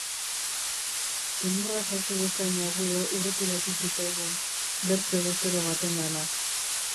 Ximurra sartu bezain agudo urrutiratu zitzaigun, bertze bezero batengana.